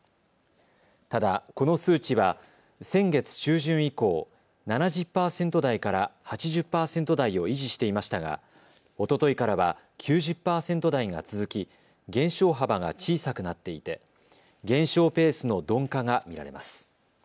ただ、この数値は先月中旬以降、７０％台から８０％台を維持していましたがおとといからは９０％台が続き、減少幅が小さくなっていて減少ペースの鈍化が見られます。